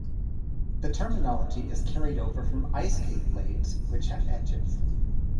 The terminology is carried over from ice skate blades, which have edges.